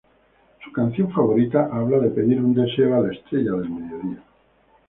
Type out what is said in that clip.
Su canción favorita habla de pedir un deseo a la estrella del mediodía.